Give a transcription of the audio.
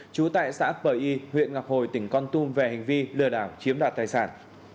trú tại xã bờ y huyện ngọc hồi tỉnh con tum về hành vi lừa đảo chiếm đoạt tài sản